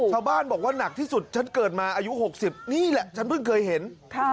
ชาวบ้านบอกว่าหนักที่สุดฉันเกิดมาอายุ๖๐นี่แหละฉันเพิ่งเคยเห็น